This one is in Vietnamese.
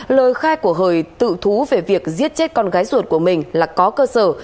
lời khai của hời tự thú về việc giết chết con gái ruột của mình là có cơ sở